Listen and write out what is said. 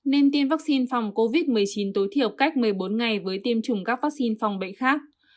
nên tiêm vaccine phòng covid một mươi chín tối thiểu cách một mươi bốn ngày với tiêm chủng các vaccine phòng bệnh khác